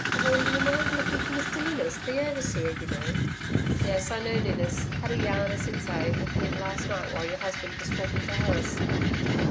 'Then do you mind looking for Mr Ninnis, the overseer, you know.' 'Yes, I know Ninnis. Had a yarn as he'd say with him last night while your husband was talking to Harris.